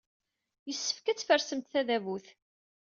Yessefk ad tfersemt tadabut.